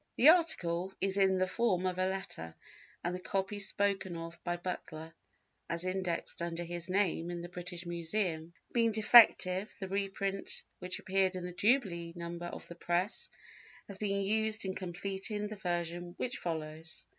The article is in the form of a letter, and the copy spoken of by Butler, as indexed under his name in the British Museum, being defective, the reprint which appeared in the jubilee number of the Press has been used in completing the version which follows.